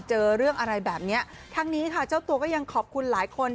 เจอเรื่องอะไรแบบนี้ทั้งนี้ค่ะเจ้าตัวก็ยังขอบคุณหลายคน